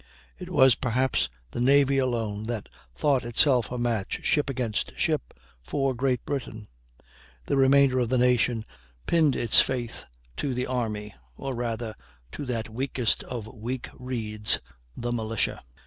It was, perhaps, the Navy alone that thought itself a match, ship against ship, for Great Britain. The remainder of the nation pinned its faith to the army, or rather to that weakest of weak reeds, the militia.